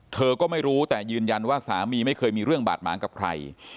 เธอก็ไม่รู้แต่ยืนยันว่าสามีไม่เคยมีเรื่องบาดหมางกับใคร